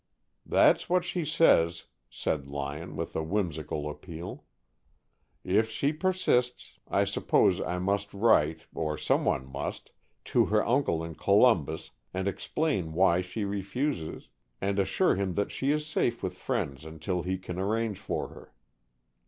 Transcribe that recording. "That's what she says," said Lyon, with a whimsical appeal. "If she persists, I suppose I must write or someone must to her uncle in Columbus, and explain why she refuses, and assure him that she is safe with friends until he can arrange for her."